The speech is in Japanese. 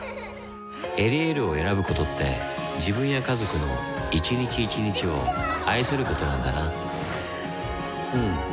「エリエール」を選ぶことって自分や家族の一日一日を愛することなんだなうん。